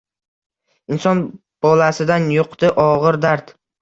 Inson bolasidan yuqdi og’ir dard.